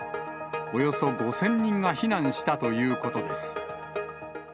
およそ５０００人が避難したということです。